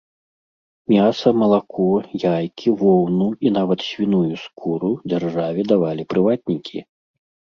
Мяса, малако, яйкі, воўну і нават свіную скуру дзяржаве давалі прыватнікі.